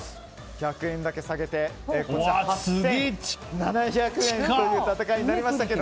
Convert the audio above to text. １００円だけ下げて８７００円という戦いになりました。